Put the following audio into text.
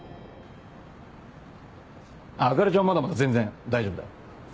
朱里ちゃんはまだまだ全然大丈夫だよ。